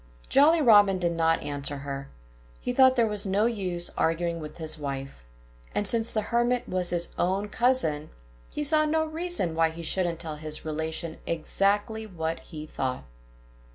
Jolly Robin did not answer her. He thought there was no use arguing with his wife. And since the Hermit was his own cousin, he saw no reason why he shouldn't tell his relation exactly what he thought.